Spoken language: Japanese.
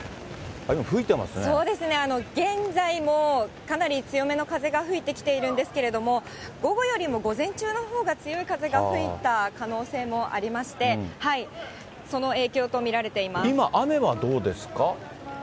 今、そうですね、現在もかなり強めの風が吹いてきているんですけれども、午後よりも午前中のほうが強い風が吹いた可能性もありまして、今、雨はどうですか。